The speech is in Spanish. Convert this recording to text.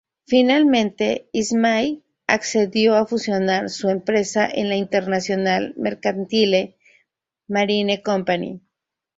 Finalmente, Ismay accedió a fusionar su empresa en la International Mercantile Marine Company.